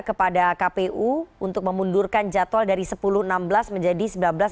kepada kpu untuk memundurkan jadwal dari sepuluh enam belas menjadi sembilan belas